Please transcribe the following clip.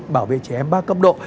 bảo vệ trẻ em ba cấp độ